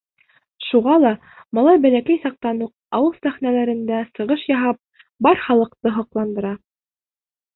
Шуға ла малай бәләкәй саҡтан уҡ ауыл сәхнәләрендә сығыш яһап, бар халыҡты һоҡландыра.